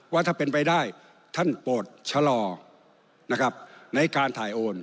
ว่าถ้าเป็นไปได้ท่านโปรดชะลอนะครับในการถ่ายโอน